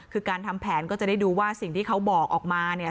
คือการทำแผนก็จะได้ดูว่าสิ่งที่เขาบอกออกมาเนี่ย